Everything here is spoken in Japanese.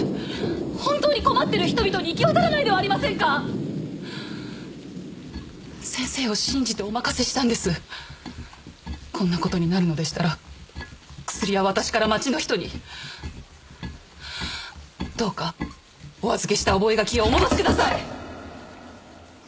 本当に困ってる人々に行き渡らないではありませんか先生を信じてお任せしたんですこんなことになるのでしたら薬は私から町の人にどうかお預けした覚え書きをお戻しください！